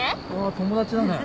友達だね。